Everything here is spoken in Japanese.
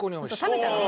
食べたの？